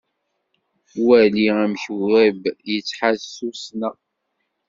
Wali amek web yettḥaz tussna.